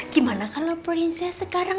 gimana kalau pelrinya